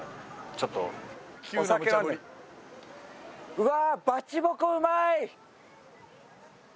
うわ。